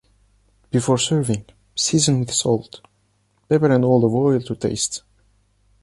Before serving, season with salt, pepper and olive oil to taste.